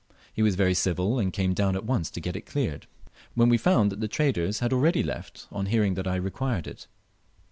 He was very civil, and came down at once to get it cleared, when we found that the traders had already left, on hearing that I required it.